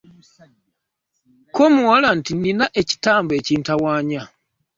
Kko omuwala nti, “Nnina ekitambo ekitawaanya.